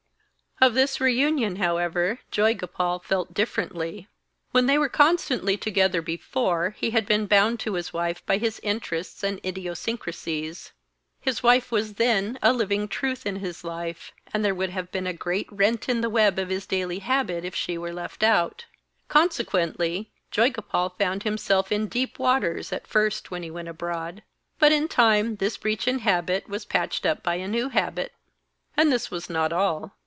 Of this reunion, however, Joygopal felt differently. When they were constantly together before he had been bound to his wife by his interests and idiosyncrasies. His wife was then a living truth in his life, and there would have been a great rent in the web of his daily habit if she were left out. Consequently Joygopal found himself in deep waters at first when he went abroad. But in time this breach in habit was patched up by a new habit. And this was not all.